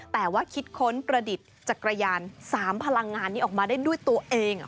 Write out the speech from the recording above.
แต่ว่าคิดค้นประดิษฐ์จักรยาน๓พลังงานนี้ออกมาได้ด้วยตัวเอง